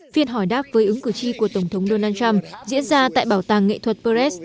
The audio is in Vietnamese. phiên hỏi đáp với ứng cử tri của tổng thống donald trump diễn ra tại bảo tàng nghệ thuật perest